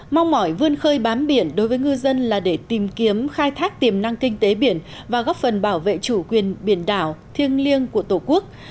mong mỏi vươn khơi bám biển đối với ngư dân là để tìm kiếm khai thác tiềm năng kinh tế biển và góp phần bảo vệ chủ quyền biển đảo thiêng liêng của tổ quốc